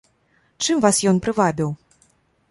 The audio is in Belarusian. Чым вас ён прывабіў?